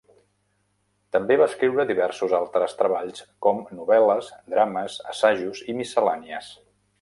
També va escriure diversos altres treballs, com novel·les, drames, assajos i miscel·lànies.